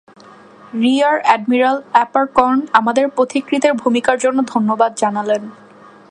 রিয়ার admiral Apakorn আমাদের পথিকৃতের ভূমিকার জন্য ধন্যবাদ জানালেন।